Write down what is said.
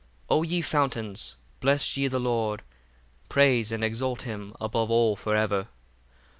55 O ye fountains, bless ye the Lord: praise and exalt him above all for ever.